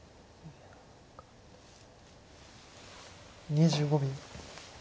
２５秒。